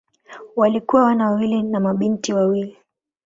Walikuwa wana wawili na mabinti wawili.